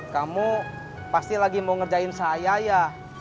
kamu pasti lagi mau ngerjain saya ya